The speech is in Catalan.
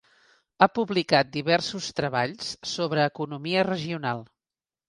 Ha publicat diversos treballs sobre economia regional.